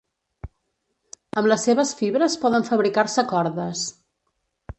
Amb les seves fibres poden fabricar-se cordes.